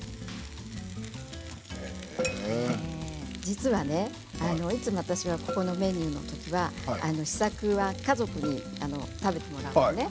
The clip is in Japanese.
実はね、いつも私はこのメニューのときには試作は家族に食べてもらうのね